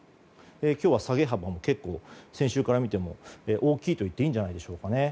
今日は下げ幅も先週から見ても大きいと言っていいんじゃないでしょうか。